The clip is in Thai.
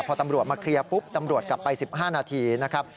พอตำรวจมาเคลียร์ปุ๊บตำรวจกลับไป๑๕นาทีนะครับ